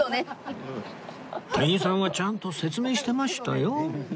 店員さんはちゃんと説明してましたよ！